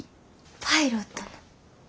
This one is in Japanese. パイロットの。